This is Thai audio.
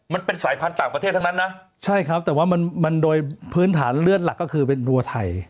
มันเป็นสายพันธุ์ต่างประเทศทั้งนั้นนะใช่ครับแต่ว่ามันโดยพื้นฐานเลือดหลักก็คือเป็นวัวไทย